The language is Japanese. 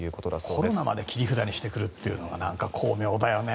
コロナまで切り札にしてくるというのが巧妙だよね。